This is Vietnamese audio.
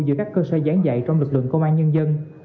giữa các cơ sở giảng dạy trong lực lượng công an nhân dân